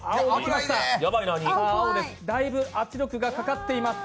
だいぶ圧力がかかっています。